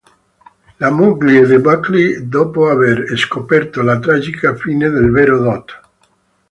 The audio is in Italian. La moglie di Buckley, dopo aver scoperto la tragica fine del vero Dott.